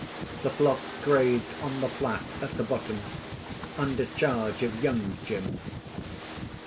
The flock grazed on the flat at the bottom, under charge of Young Jim.